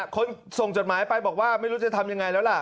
คนส่งจดหมายไปบอกว่าไม่รู้จะทำยังไงแล้วล่ะ